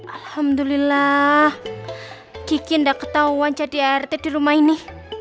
alhamdulillah bikin dah ketahuan jadi rt di rumah ini